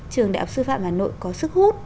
trường đại học sư phạm hà nội có sức hút